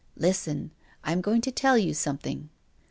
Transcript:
Listen! I am going to tell you something.